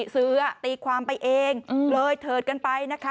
ซื้อตีความไปเองเลยเถิดกันไปนะคะ